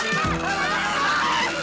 tidak tidak tidak